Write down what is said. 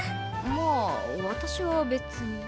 まあ私は別に。